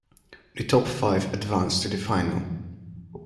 The top five advanced to the final.